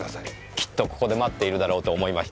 きっとここで待っているだろうと思いまして。